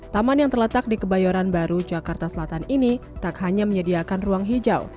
taman yang terletak di kebayoran baru jakarta selatan ini tak hanya menyediakan ruang hijau